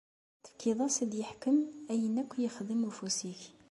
Tefkiḍ-as ad iḥkem ayen akk i yexdem ufus-ik.